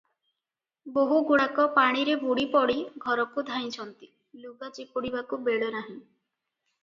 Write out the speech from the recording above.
ବୋହୂଗୁଡ଼ାକ ପାଣିରେ ବୁଡ଼ିପଡ଼ି ଘରକୁ ଧାଇଁଛନ୍ତି, ଲୁଗା ଚିପୁଡ଼ିବାକୁ ବେଳନାହିଁ ।